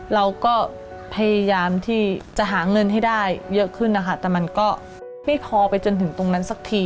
เราก็พยายามที่จะหาเงินให้ได้เยอะขึ้นนะคะแต่มันก็ไม่พอไปจนถึงตรงนั้นสักที